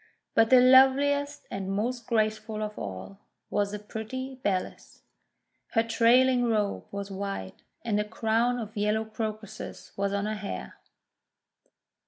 But the loveliest and most graceful of all, was the pretty Bellis. Her trailing robe was white, and a crown of yellow Crocuses was on her hair.